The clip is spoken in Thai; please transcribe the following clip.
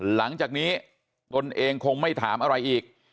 หลังจากนี้ตนเองคงไม่ถามอะไรอีก